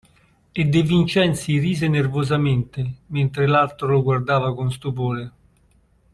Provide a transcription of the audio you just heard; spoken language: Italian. E De Vincenzi rise nervosamente, mentre l'altro lo guardava con stupore.